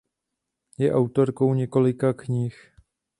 Je autorkou několika knih.